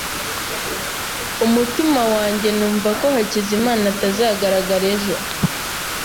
Umutima wanjye numva ko Hakizimana atazagaragara ejo.